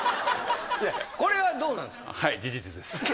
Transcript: これはどうなんすか？